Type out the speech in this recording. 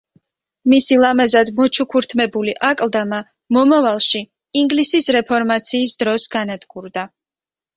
მისი ლამაზად მოჩუქურთმებული აკლდამა, მომავალში ინგლისის რეფორმაციის დროს განადგურდა.